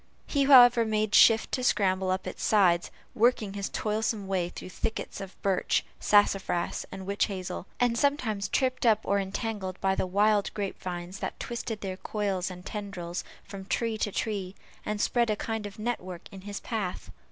He, however, made shift to scramble up its sides, working his toilsome way through thickets of birch, sassafras, and witch hazel; and sometimes tripped up or entangled by the wild grape vines that twisted their coils and tendrils from tree to tree, and spread a kind of network in his path.